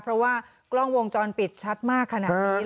เพราะว่ากล้องวงจรปิดชัดมากขนาดนี้